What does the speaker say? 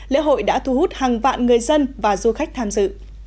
lễ hội đã thu hút hàng vạn người dân và du khách tham dự